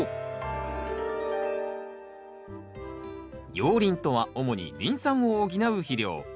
熔リンとは主にリン酸を補う肥料。